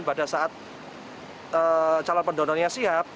dan pada saat calon pendonornya siap